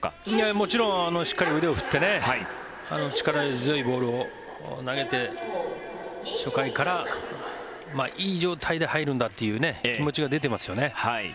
もちろんしっかり腕を振って力強いボールを投げて初回からいい状態で入るんだという気持ちが出ていますよね。